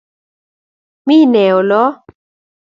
Mi ne olo?